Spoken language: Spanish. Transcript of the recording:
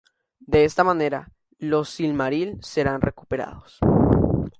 De esta manera, los Silmaril serán recuperados.